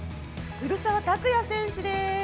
古澤拓也選手です！